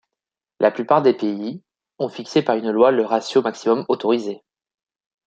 La plupart des pays, ont fixé par une loi le ratio maximum autorisé.